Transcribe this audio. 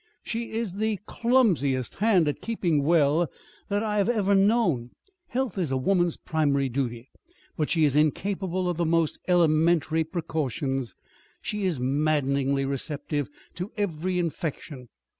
"She is the clumsiest hand at keeping well that I have ever known. Health is a woman's primary duty. But she is incapable of the most elementary precautions. She is maddeningly receptive to every infection.